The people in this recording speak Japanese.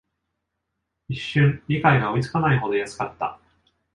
一瞬、理解が追いつかないほど安かった